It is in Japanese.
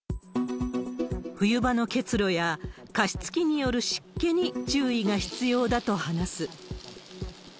冬場の結露や加湿器による湿気に注意が必要だと話す。